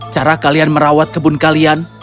cara kalian merawat kebun kalian